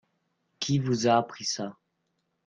Qui vous a appris ça ?